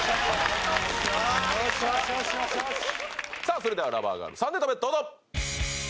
それではラバーガール３ネタ目どうぞ！